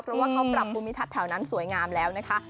เพราะว่าเขาปรับภูมิทัศน์แถวนั้นสวยงามแล้วนะคะ